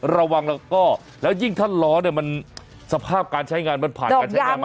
ระวังแล้วก็แล้วยิ่งถ้าล้อเนี่ยมันสภาพการใช้งานมันผ่านการใช้งานมา